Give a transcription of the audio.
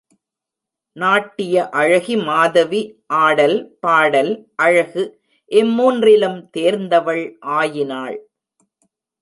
நாட்டிய அழகி மாதவி ஆடல், பாடல், அழகு இம்மூன்றிலும் தேர்ந்தவள் ஆயினாள்.